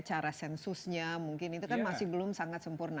cara sensusnya mungkin itu kan masih belum sangat sempurna